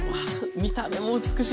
見た目も美しい！